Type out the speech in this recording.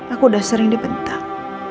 aku udah sering dipentang